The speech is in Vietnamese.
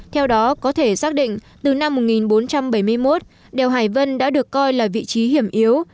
theo đó có thể xác định từ năm một nghìn bốn trăm bảy mươi một đèo hải vân đã được coi là vị trí hiểm yếu